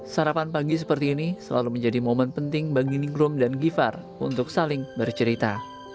sarapan pagi seperti ini selalu menjadi momen penting bagi ningrum dan givhar untuk saling bercerita